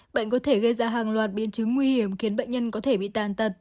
bệnh có thể gây ra hàng loạt biến chứng nguy hiểm khiến bệnh nhân có thể bị tàn tật